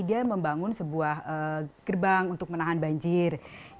dia membangun sebuah gerbang untuk menahan banjir